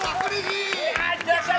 いってらっしゃい！